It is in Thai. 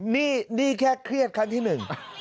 นี่แค่เครียดคันที่หนึ่ง